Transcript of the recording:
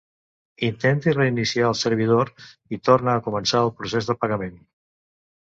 Intenti reiniciar el servidor i tornar a començar el procés de pagament.